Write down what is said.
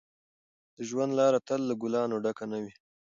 د ژوند لاره تل له ګلانو ډکه نه وي.